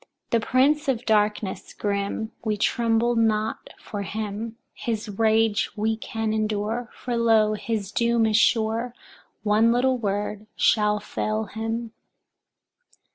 The Prince of Darkness grim, we tremble not for him; his rage we can endure, for lo, his doom is sure; one little word shall fell him.